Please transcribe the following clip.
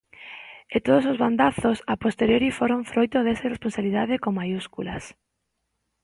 E todos os bandazos a posteriori foron froito desa irresponsabilidade con maiúsculas.